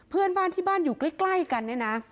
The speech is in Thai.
เพื่อนบ้านที่บ้านอยู่ใกล้กันเนี่ยนะ